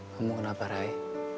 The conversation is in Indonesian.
kamu kenapa rai